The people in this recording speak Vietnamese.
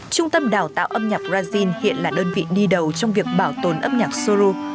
trung tâm đào tạo âm nhạc brazil hiện là đơn vị đi đầu trong việc bảo tồn âm nhạc sô lô